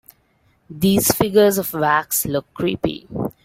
These figures of wax look creepy.